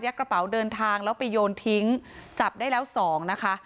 กระเป๋าเดินทางแล้วไปโยนทิ้งจับได้แล้วสองนะคะ